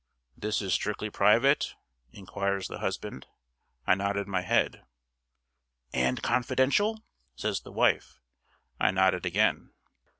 "This is strictly private?" inquires the husband. I nodded my head. "And confidential?" says the wife. I nodded again.